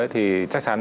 thì chắc chắn